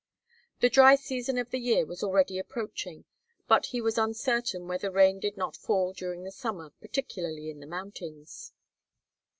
The dry season of the year was already approaching, but he was uncertain whether rain did not fall during the summer particularly in the mountains.